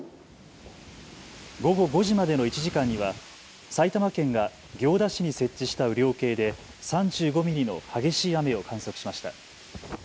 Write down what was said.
午後５時までの１時間には埼玉県が行田市に設置した雨量計で３５ミリの激しい雨を観測しました。